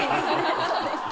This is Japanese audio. そうですね。